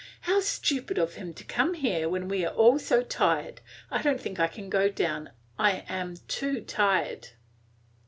How stupid of him to come here when we are all so tired! I don't think I can go down; I am too tired."